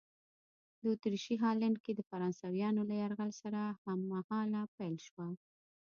د اتریشي هالنډ کې د فرانسویانو له یرغل سره هممهاله پیل شوه.